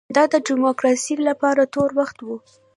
دا د ډیموکراسۍ لپاره تور وخت و.